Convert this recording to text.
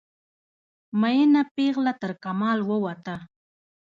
میینه پیغله ترکمال ووته